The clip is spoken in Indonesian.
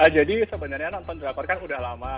jadi sebenarnya nonton drakor kan udah lama